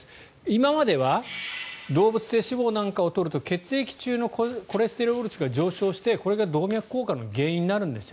今までは動物性脂肪なんかを取ると血液中のコレステロール値が上昇してこれが動脈硬化の原因になるんです。